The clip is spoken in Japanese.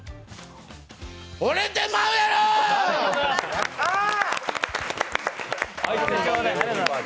惚れてまうやろー！